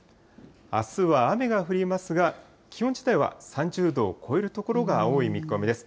あすは雨が降りますが、気温自体は３０度を超える所が多い見込みです。